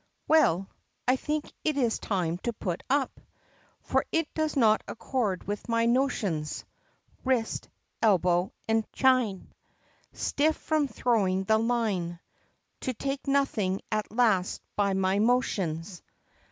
Well! I think it is time to put up! For it does not accord with my notions, Wrist, elbow, and chine, Stiff from throwing the line, To take nothing at last by my motions!